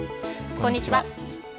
こんにちは。